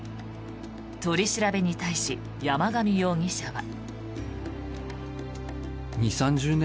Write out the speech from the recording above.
取り調べに対し山上容疑者は。